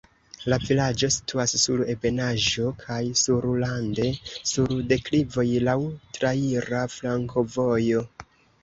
La vilaĝo situas sur ebenaĵo kaj sur rande sur deklivoj, laŭ traira flankovojo.